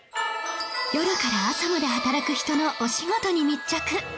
夜から朝まで働く人のお仕事に密着